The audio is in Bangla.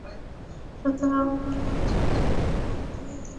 সুতরাং প্রথম চার্জটির কাছ থেকে দ্বিতীয় চার্জটি আকর্ষণ বা বিকর্ষণ বল অনুভব করছে।